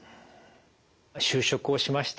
就職をしました。